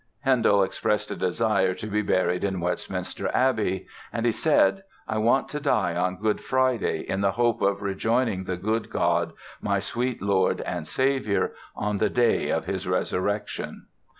Handel expressed a desire to be buried in Westminster Abbey; and he said: "I want to die on Good Friday in the hope of rejoining the good God, my sweet Lord and Saviour, on the day of His Resurrection."